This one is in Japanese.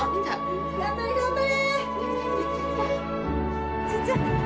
頑張れ頑張れ！